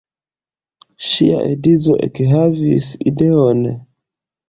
Ŝia edzo ekhavis ideon.